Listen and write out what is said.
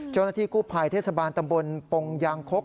เจ้าหน้าที่กู้ภัยเทศบาลตำบลปงยางคก